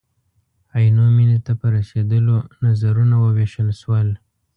عینو مېنې ته په رسېدلو نظرونه ووېشل شول.